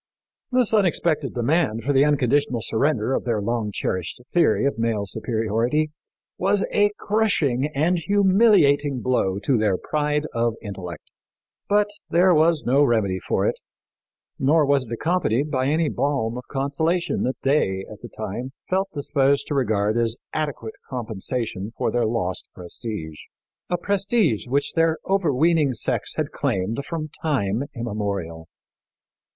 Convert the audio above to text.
This unexpected demand for the unconditional surrender of their long cherished theory of male superiority was a crushing and humiliating blow to their pride of intellect, but there was no remedy for it, nor was it accompanied by any balm of consolation that they, at the time, felt disposed to regard as adequate compensation for their lost prestige a prestige which their overweening sex had claimed from time immemorial.